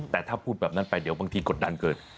แต่ถ้าพูดแบบนั้นไปเดี๋ยวบางทีกดดันเกิน